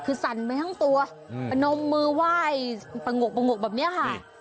คือสั่นไปทั้งตัวพนมมือไหว้ประงกประงกแบบนี้ค่ะ